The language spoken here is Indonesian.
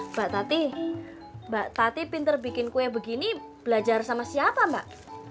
mbak tati mbak tati pinter bikin kue begini belajar sama siapa mbak